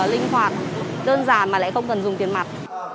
linh hoạt đơn giản mà lại không cần dùng tiền mặt